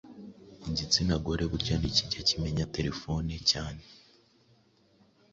igitsina gore burya ntikijya kimenya telephone cyane